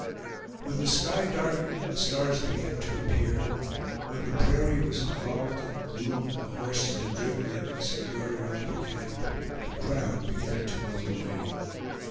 When the sky darkened and the stars began to appear; when the prairie was involved in gloom and the horses were driven in and secured around the camp, the crowd began to melt away.